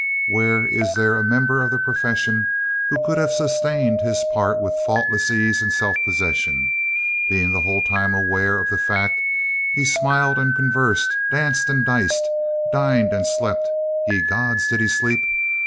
Where is there a member of the profession who could have sustained his part with faultless ease and self possession, being the whole time aware of the fact that he smiled and conversed, danced and diced, dined and slept (ye gods! did he sleep?)